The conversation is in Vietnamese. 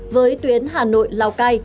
với tuyến hà nội lào cai